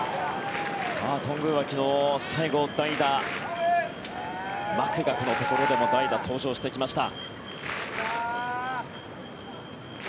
頓宮は昨日、最後、代打マクガフのところでも代打登場してきました。